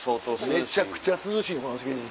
めちゃくちゃ涼しいこの生地。